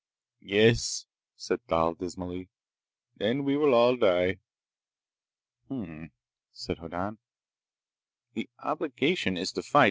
"Yes," said Thal dismally. "Then we will all die." "Hm m m," said Hoddan. "The obligation is to fight.